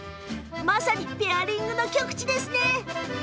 まさにペアリングの極地です。